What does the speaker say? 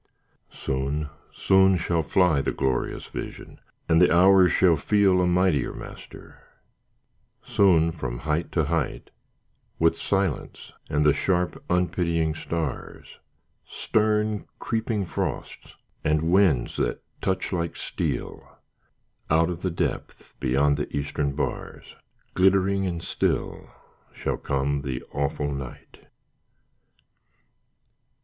Soon, soon shall fly The glorious vision, and the hours shall feel A mightier master; soon from height to height, With silence and the sharp unpitying stars, Stern creeping frosts, and winds that touch like steel, Out of the depth beyond the eastern bars, Glittering and still shall come the awful night.